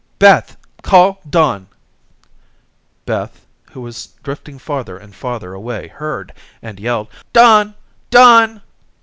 "Beth, call Don." Beth who was drifting farther and farther away heard, and yelled: "Don, Don."